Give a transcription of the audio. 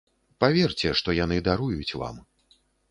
Паверце, што яны даруюць вам.